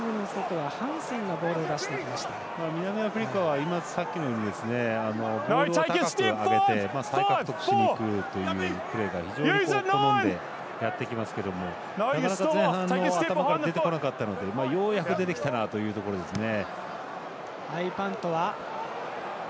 南アフリカはさっきのようにボールを高く上げて再獲得しにいくというプレーが非常に好んでやってきますけどなかなか前半の頭から出てこなかったのでようやく出てきたなというところですね。